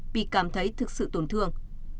bị cảm thấy thực sự tổn thương